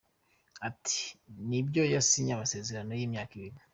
Ati “Nibyo yasinye amasezerano y’imyaka ibiri.